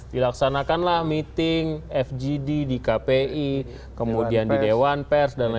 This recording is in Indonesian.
dilaksanakanlah meeting fgd di kpi kemudian di dewan pers dan lain lain